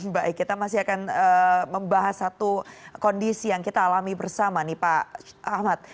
baik kita masih akan membahas satu kondisi yang kita alami bersama nih pak ahmad